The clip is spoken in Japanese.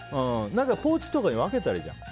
ポーチとかに分けたらいいじゃん。